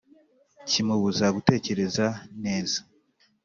kimubuza gutekereza neza